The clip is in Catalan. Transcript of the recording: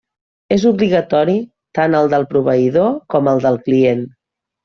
És obligatori tant el del proveïdor com el del client.